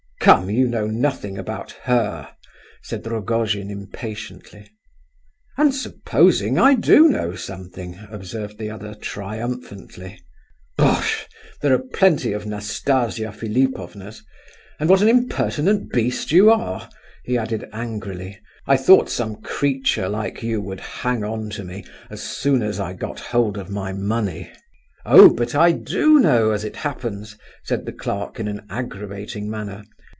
"Come, you know nothing about her," said Rogojin, impatiently. "And supposing I do know something?" observed the other, triumphantly. "Bosh! there are plenty of Nastasia Philipovnas. And what an impertinent beast you are!" he added angrily. "I thought some creature like you would hang on to me as soon as I got hold of my money." "Oh, but I do know, as it happens," said the clerk in an aggravating manner.